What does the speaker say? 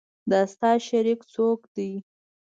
د تا شریک څوک ده